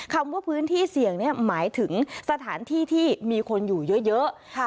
คำว่าพื้นที่เสี่ยงเนี่ยหมายถึงสถานที่ที่มีคนอยู่เยอะ